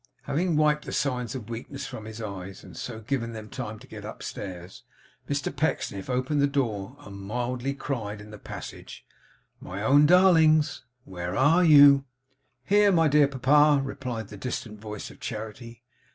Having wiped the signs of weakness from his eyes, and so given them time to get upstairs, Mr Pecksniff opened the door, and mildly cried in the passage, 'My own darlings, where are you?' 'Here, my dear pa!' replied the distant voice of Charity.